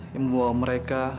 yang membawa mereka